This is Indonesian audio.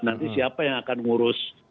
nanti siapa yang akan ngurus